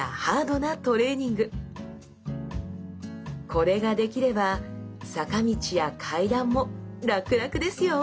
これができれば坂道や階段も楽々ですよ！